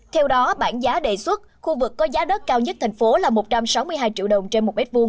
theo đó bảng giá đề xuất khu vực có giá đất cao nhất thành phố là một trăm sáu mươi hai triệu đồng trên một m hai